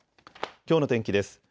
きょうの天気です。